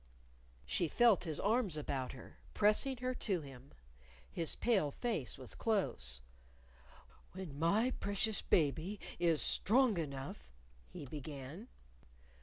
She felt his arms about her, pressing her to him. His pale face was close. "When my precious baby is strong enough ," he began.